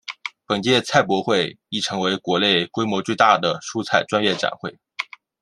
本届菜博会亦成为国内规模最大的蔬菜专业展会。